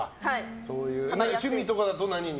趣味とかだと、何に？